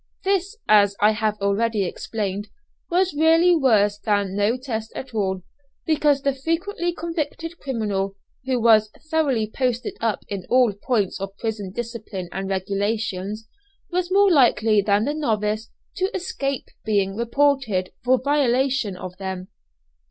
This, as I have already explained, was really worse than no test at all, because the frequently convicted criminal, who was thoroughly posted up in all points of prison discipline and regulations, was more likely than the novice to escape being "reported" for violation of them.